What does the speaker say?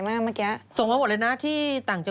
นี่แหล่ะตึกเรานี่แหล่ะ